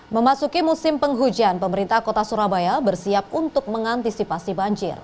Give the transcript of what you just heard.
memasuki musim penghujan pemerintah kota surabaya bersiap untuk mengantisipasi banjir